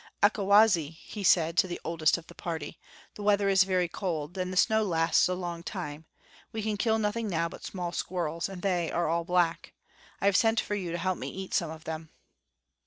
"Akewazi," he said to the oldest of the party, "the weather is very cold, and the snow lasts a long time; we can kill nothing now but small squirrels, and they are all black. I have sent for you to help me eat some of them."